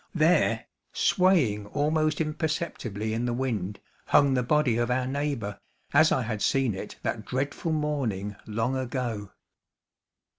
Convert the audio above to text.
There, swaying almost imperceptibly in the wind, hung the body of our neighbor, as I had seen it that dreadful morning long ago.